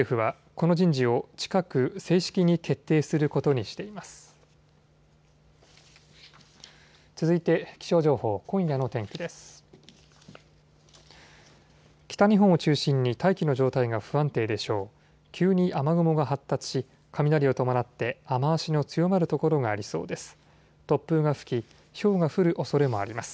急に雨雲が発達し雷を伴って雨足の強まる所がありそうです。